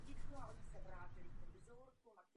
Je to svévolný, brutální a paranoidní režim.